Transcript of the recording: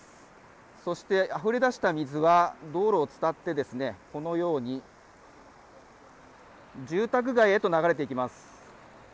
そして、あふれ出した水は道路を伝ってですね、このように住宅街へと流れていきます。